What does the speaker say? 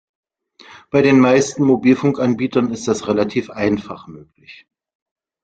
Bei den meisten Mobilfunkanbietern ist das relativ einfach möglich.